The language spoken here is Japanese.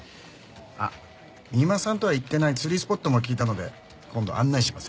あっ三馬さんとは行ってない釣りスポットも聞いたので今度案内しますよ。